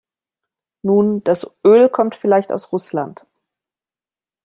Nun, das Öl kommt vielleicht aus Russland.